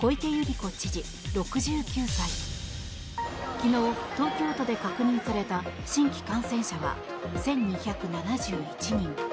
昨日、東京都で確認された新規感染者は１２７１人。